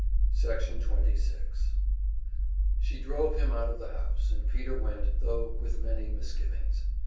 Section 26 She drove him out of the house, and Peter went, though with many misgivings.